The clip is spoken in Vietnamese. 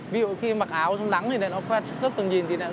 ví dụ khi mặc áo chống nắng